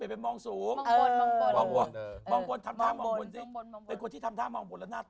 เอาเสียงสูงลืมไปเหอะเสียงสูงเท่านั้นไงมันจบไปละ